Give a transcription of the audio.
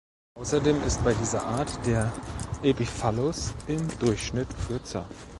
Außerdem ist bei dieser Art der Epiphallus im Durchschnitt kürzer.